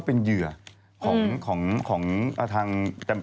พี่ชอบแซงไหลทางอะเนาะ